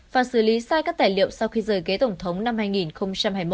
và xử lý sai các tài liệu sau khi rời kế tổng thống năm hai nghìn hai mươi một